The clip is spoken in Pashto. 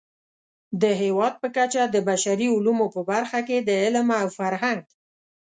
د هېواد په کچه د بشري علومو په برخه کې د علم او فرهنګ